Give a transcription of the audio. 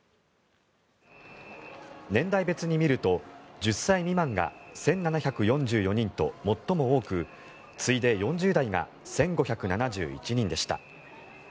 年代別に見ると、１０歳未満が１７４４人と最も多く次いで４０代が１５７１人でした。